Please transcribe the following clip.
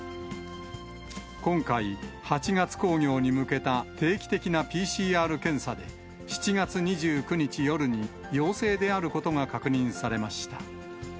今回、八月興行に向けた定期的なＰＣＲ検査で、７月２９日夜に、陽性であることが確認されました。